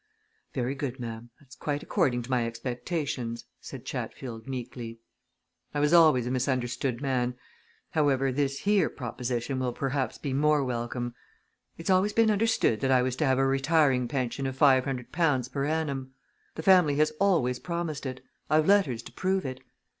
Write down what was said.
"Very good, ma'am that's quite according to my expectations," said Chatfield, meekly. "I was always a misunderstood man. However, this here proposition will perhaps be more welcome. It's always been understood that I was to have a retiring pension of five hundred pounds per annum. The family has always promised it I've letters to prove it.